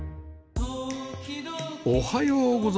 おはようございます。